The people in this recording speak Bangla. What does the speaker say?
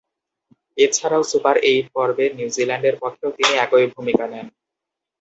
এছাড়াও, সুপার এইট পর্বে নিউজিল্যান্ডের পক্ষেও তিনি একই ভূমিকা নেন।